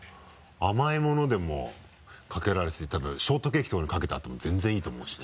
甘いものでもかけられるし例えばショートケーキとかにかけてあっても全然いいと思うし。